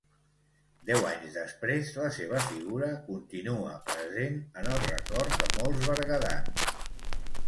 Deu anys després, la seva figura continua present en el record de molts berguedans.